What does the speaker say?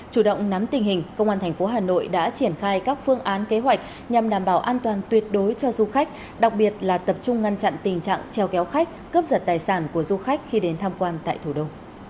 chủ động nắm tình hình công an thành phố hà nội đã triển khai các phương án kế hoạch nhằm đảm bảo an toàn tuyệt đối cho du khách đặc biệt là tập trung ngăn chặn tình trạng treo kéo khách cướp giật tài sản của du khách khi đến tham quan tại thủ đô